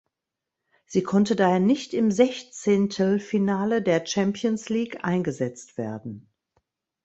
Sie konnte daher nicht im Sechzehntelfinale der Champions League eingesetzt werden.